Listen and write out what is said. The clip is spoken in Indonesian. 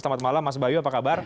selamat malam mas bayu apa kabar